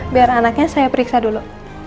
biar anaknya saya periksa dulu